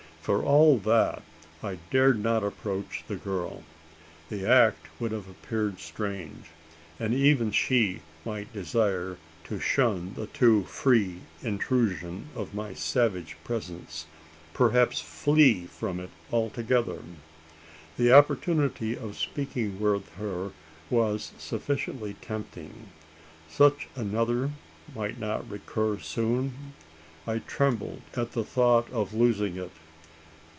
For all that, I dared not approach the girl. The act would have appeared strange; and even she might desire to shun the too free intrusion of my savage presence perhaps flee from it altogether? The opportunity of speaking with her was sufficiently tempting. Such another might not soon recur? I trembled at the thought of losing it.